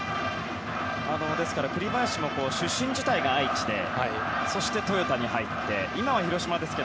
栗林も出身自体が愛知でそして、トヨタに入って今は広島ですが。